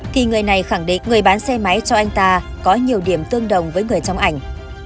thì người này khẳng định người bán xe máy cho anh ta có nhiều điểm tương đồng với người trong ảnh